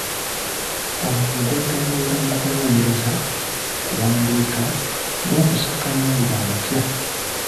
Omulimu gwetoloolera mu kunoonyereza, kuwandiika, n'okusaka amawulire amapya.